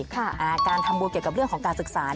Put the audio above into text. การทำบุญเกี่ยวกับเรื่องของการศึกษา